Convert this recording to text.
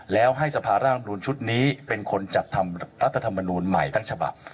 แล้วให้สภาร่างมนุนชุดนี้เป็นคนจัดทำรัฐธรรมนูลใหม่ทั้งฉบับ